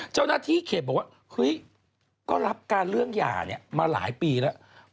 เจ้าหน้าที่เขตบอกว่าเฮ้ยก็รับการเรื่องหย่ามาหลายปีแล้ว